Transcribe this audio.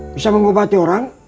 bisa mengobati orang